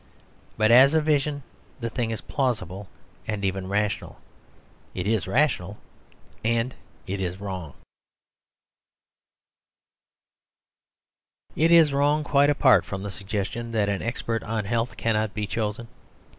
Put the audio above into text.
But as a vision the thing is plausible and even rational. It is rational, and it is wrong. It is wrong, quite apart from the suggestion that an expert on health cannot be chosen.